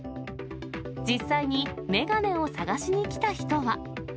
実際に眼鏡を探しに来た人は。